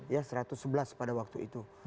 ya satu ratus sebelas pada waktu itu